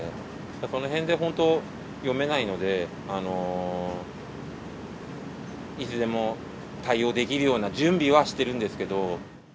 このへんで本当、読めないので、いつでも対応できるような準備はしてるんですけど。